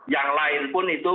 yang lain pun itu